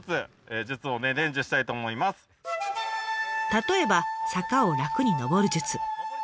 例えば坂を楽に上る術。